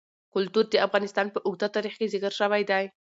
کلتور د افغانستان په اوږده تاریخ کې ذکر شوی دی.